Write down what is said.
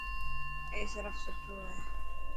اي سرف سٺو هي.